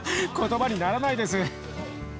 言葉にならないです。